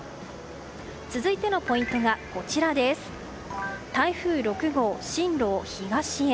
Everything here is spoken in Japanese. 続いてのポイントが台風６号、進路を東へ。